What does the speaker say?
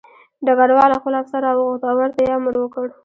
ډګروال خپل افسر راوغوښت او ورته یې امر وکړ